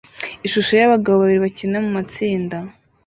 Ishusho yabagabo babiri bakina mumatsinda